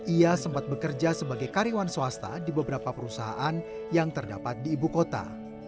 ia sempat bekerja sebagai karyawan swasta di beberapa perusahaan yang terdapat di ibu kota